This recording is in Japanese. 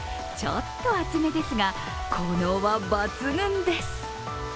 ちょっと熱めですが効能は抜群です。